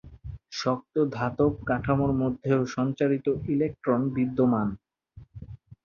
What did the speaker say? শক্ত ধাতব কাঠামোর মধ্যেও সঞ্চারিত ইলেকট্রন বিদ্যমান।